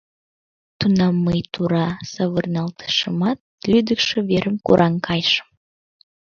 Тунам мый тура савырналтышымат, лӱдыкшӧ верым кораҥ кайышым.